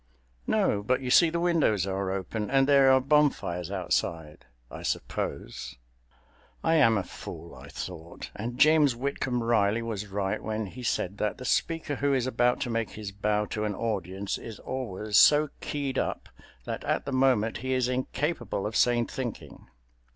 "No; but you see the windows are open, and there are bonfires outside, I suppose." "I am a fool," I thought; "and James Whitcomb Riley was right when he said that the speaker who is about to make his bow to an audience is always so keyed up that at the moment he is incapable of sane thinking."